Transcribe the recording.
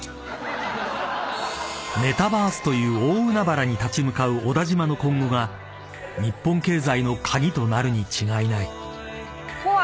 ［メタバースという大海原に立ち向かう小田嶋の今後が日本経済の鍵となるに違いない］